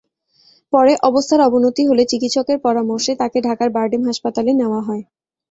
পরে অবস্থার অবনতি হলে চিকিৎসকের পরামর্শে তাঁকে ঢাকার বারডেম হাসপাতালে নেওয়া হয়।